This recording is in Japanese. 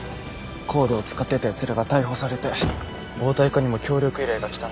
ＣＯＤＥを使ってたヤツらが逮捕されて暴対課にも協力依頼が来たんで。